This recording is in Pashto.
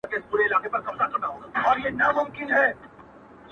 چي سترگي پټې کړې، سالو په ځان تاو کړې_